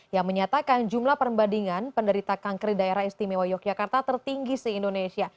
yang menyatakan jumlah perbandingan penderita kanker di daerah istimewa yogyakarta tertinggi se indonesia